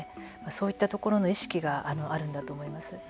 そういったところの意識があるんだと思います。